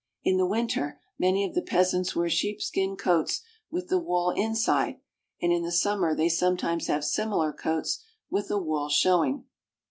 In the winter many of the peasants wear sheep skin coats with the wool inside, and in the summer they sometimes have similar coats with the wool showing.